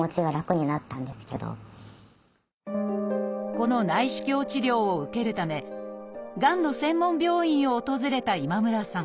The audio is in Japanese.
この内視鏡治療を受けるためがんの専門病院を訪れた今村さん。